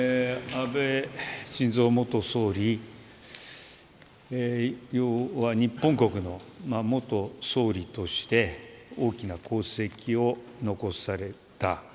安倍晋三元総理は日本国の元総理として大きな功績を残された。